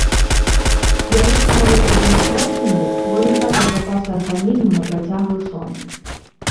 Яны становяцца больш моцнымі, бо не трацяць запасы арганізму на працяглы сон.